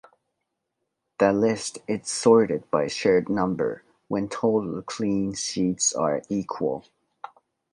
The list is sorted by shirt number when total clean sheets are equal.